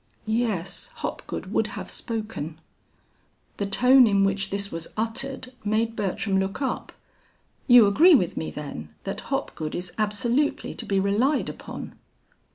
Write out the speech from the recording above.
"Yes, Hopgood would have spoken." The tone in which this was uttered made Bertram look up. "You agree with me, then, that Hopgood is absolutely to be relied upon?"